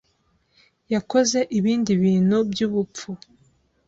yakoze ibindi bintu byubupfu.